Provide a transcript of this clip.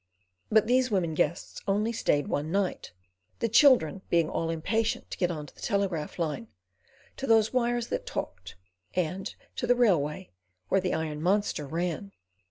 But these women guests only stayed one night, the children being all impatience to get on to the telegraph line, to those wires that talked, and to the railway, where the iron monster ran.